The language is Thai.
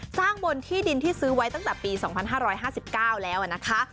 สร้างบนที่ดินที่ซื้อไว้ตั้งแต่ปี๒๕๕๙แล้วนะคะ